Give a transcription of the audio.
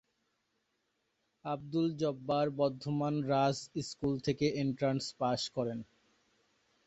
Abdul Jabbar Bardhaman Raj school থেকে entrance pass করেন।